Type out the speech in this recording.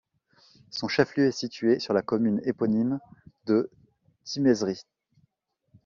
Son chef-lieu est situé sur la commune éponyme de Timezrit.